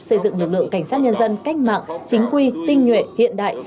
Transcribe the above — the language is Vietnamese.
xây dựng lực lượng cảnh sát nhân dân cách mạng chính quy tinh nhuệ hiện đại